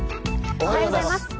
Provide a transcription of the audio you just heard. おはようございます。